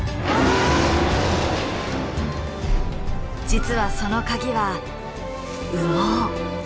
実はそのカギは羽毛。